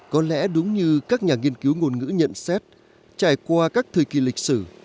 có lẽ đúng như các nhà nghiên cứu ngôn ngữ nhận xét trải qua các thời kỳ lịch sử